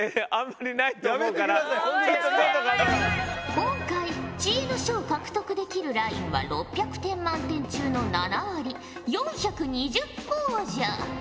今回知恵の書を獲得できるラインは６００点満点中の７割４２０ほぉじゃ。